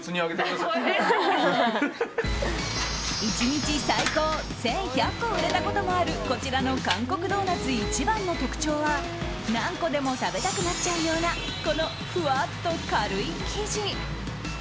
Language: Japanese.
１日最高１１００個売れたこともあるこちらの韓国ドーナツ一番の特徴は、何個でも食べたくなっちゃうようなこのふわっと軽い生地。